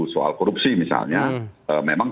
soal korupsi misalnya memang